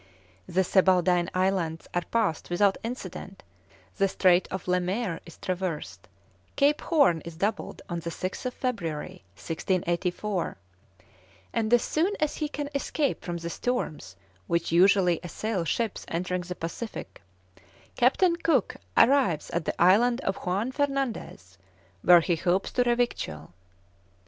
The Sebaldine Islands are passed without incident, the Strait of Le Maire is traversed, Cape Horn is doubled on the 6th February, 1684, and as soon as he can escape from the storms which usually assail ships entering the Pacific, Captain Cook arrives at the island of Juan Fernandez, where he hopes to revictual.